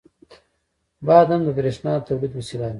• باد هم د برېښنا د تولید وسیله ده.